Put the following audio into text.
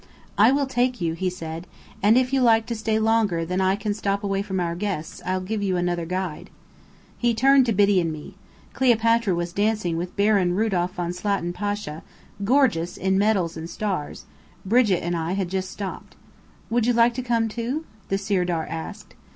"I will take you," he said. "And if you like to stay longer than I can stop away from our guests, I'll give you another guide." He turned to Biddy and me. (Cleopatra was dancing with Baron Rudolph von Slatin Pasha, gorgeous in medals and stars: Brigit and I had just stopped.) "Would you like to come, too?" the Sirdar asked.